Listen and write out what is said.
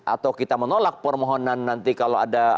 atau kita menolak permohonan nanti kalau ada